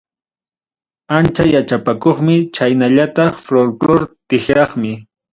Ancha yachapakuqmi chaynallataq folkrore tikraqmi.